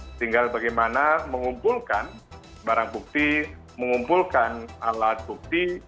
tinggal bagaimana mengumpulkan barang bukti mengumpulkan alat bukti